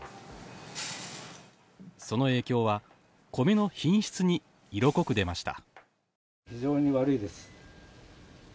その影響は、米の品質に色濃く出ました。